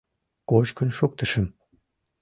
— Кочкын шуктышым.